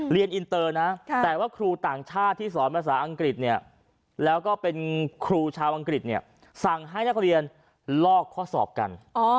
อินเตอร์นะแต่ว่าครูต่างชาติที่สอนภาษาอังกฤษเนี่ยแล้วก็เป็นครูชาวอังกฤษเนี่ยสั่งให้นักเรียนลอกข้อสอบกัน